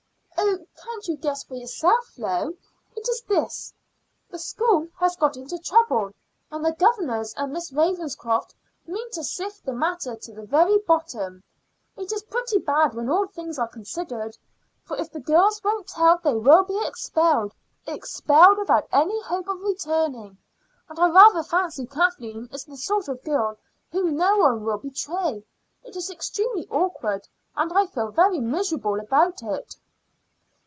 "Oh, can't you guess for yourself, Flo? It is this. The school has got into trouble, and the governors and Miss Ravenscroft mean to sift the matter to the very bottom. It is pretty bad when all things are considered, for if the girls won't tell they will be expelled expelled without any hope of returning. And I rather fancy Kathleen is the sort of girl whom no one will betray. It is extremely awkward, and I feel very miserable about it."